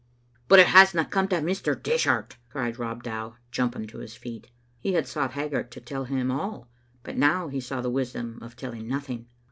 " But it hasna come to Mr. Dishart," cried Rob Dow, jumping to his feet. He had sought Haggart to tell him all, but now he saw the wisdom of telling nothing.